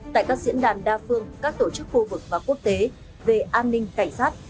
tại các diễn đàn đa phương các tổ chức khu vực và quốc tế về an ninh cảnh sát